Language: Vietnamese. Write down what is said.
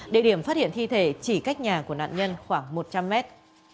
địa điểm phát hiện thi thể chỉ cách nhà của nạn nhân khoảng một trăm linh mét